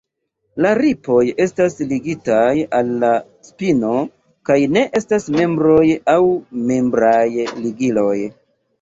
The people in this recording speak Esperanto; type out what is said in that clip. La ripoj estas ligitaj al la spino kaj ne estas membroj aŭ membraj ligiloj.